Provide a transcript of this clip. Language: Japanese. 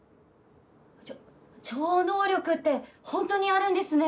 ちょ超能力って本当にあるんですね。